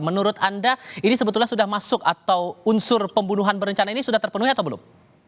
menurut anda ini sebetulnya sudah masuk atau unsur pembunuhan berencana ini sudah terpenuhi atau belum